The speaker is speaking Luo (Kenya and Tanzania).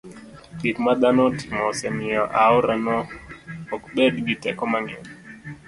Gik ma dhano timo osemiyo aorano ok bed gi teko mang'eny.